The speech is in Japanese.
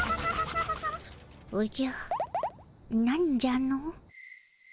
おじゃなんじゃの？